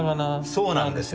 そうなんです。